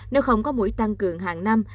nếu không có mũi tăng cường hàng năm